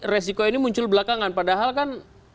resiko ini muncul belakangan padahal kan